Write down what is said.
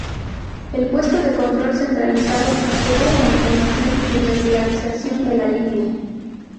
El puesto de control centralizado asegura la información y regulación de la línea.